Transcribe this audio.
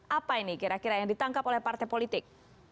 apa ini kira kira yang ditangkap oleh partai politik